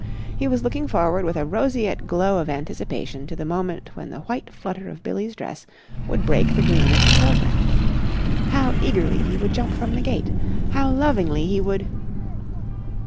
He was looking forward with a roseate glow of anticipation to the moment when the white flutter of Billie's dress would break the green of the foreground. How eagerly he would jump from the gate! How lovingly he would....